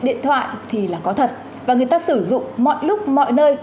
điện thoại thì là có thật và người ta sử dụng mọi lúc mọi nơi